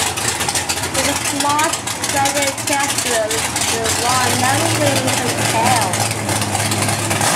It is a large, slender kestrel with long, narrow wings and tail.